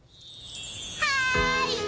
はい！